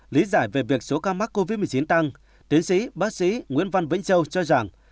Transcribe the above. lý giải về việc số ca mắc covid một mươi chín tăng tiến sĩ bác sĩ nguyễn văn vĩnh châu cho rằng